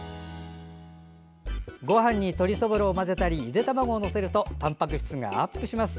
ごはんに鶏そぼろを混ぜたりゆで卵を載せるとたんぱく質がアップします。